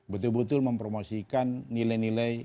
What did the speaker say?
betul betul mempromosikan nilai nilai